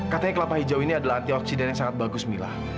katanya kelapa hijau ini adalah antioksidan yang sangat bagus mila